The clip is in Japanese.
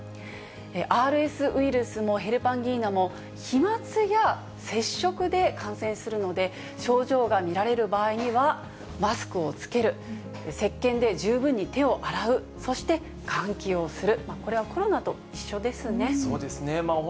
ＲＳウイルスもヘルパンギーナも、飛まつや接触で感染するので、症状が見られる場合には、マスクを着ける、せっけんで十分に手を洗う、そして換気をする。